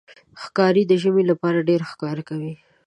ښکاري د ژمي لپاره ډېر ښکار کوي.